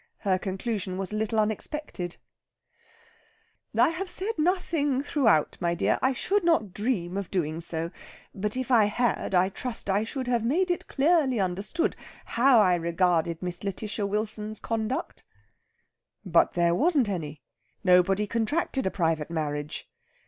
Her conclusion was a little unexpected: "I have said nothing throughout, my dear. I should not dream of doing so. But if I had I trust I should have made it clearly understood how I regarded Miss Lætitia Wilson's conduct." "But there wasn't any. Nobody contracted a private marriage."